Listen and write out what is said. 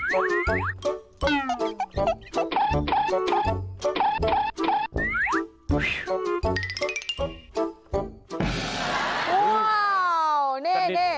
ว้าวเน่